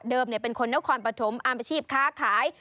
เดิมเนี่ยเป็นคนนครปฐมอาจารย์ประชีพค้าขาย